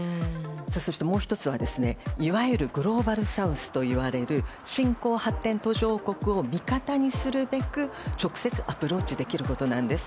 そしてもう１つは、いわゆるグローバルサウスといわれる新興・発展途上国を味方にするべく直接アプローチできることです。